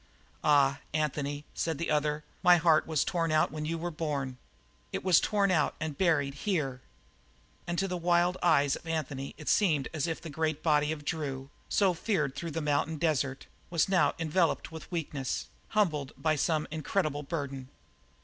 "Ah, Anthony," said the other, "my heart was torn out when you were born; it was torn out and buried here." And to the wild eyes of Anthony it seemed as if the great body of Drew, so feared through the mountain desert, was now enveloped with weakness, humbled by some incredible burden.